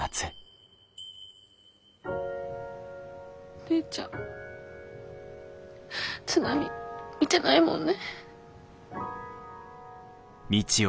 お姉ちゃん津波見てないもんね。